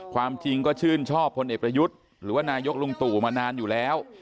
ความจริงก็ชื่นชอบพลเอกประยุทธ์หรือว่านายกลุงตู่มานานอยู่แล้ว